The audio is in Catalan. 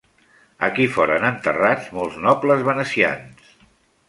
Aquí foren enterrats molts nobles venecians.